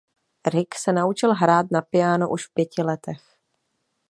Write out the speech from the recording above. Rick se naučil hrát na piáno už v pěti letech.